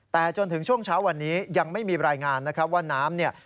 แต่จนถึงช่วงเช้าวันนี้ยังไม่มีรายงานนะครับว่าน้ำเนี่ย